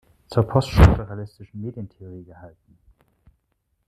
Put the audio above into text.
Zur poststrukturalistischen Medientheorie" gehalten.